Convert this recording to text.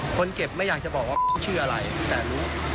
คนเก็บไม่อยากจะบอกว่าชื่ออะไรแต่รู้